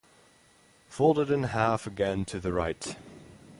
Fold it in half again to the right.